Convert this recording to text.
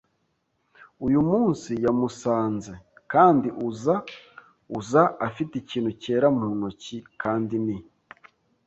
uyu munsi yamusanze. Kandi uza uza afite ikintu cyera mu ntoki, kandi ni